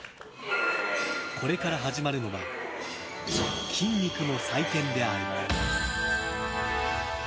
これから始まるのは筋肉の祭典である。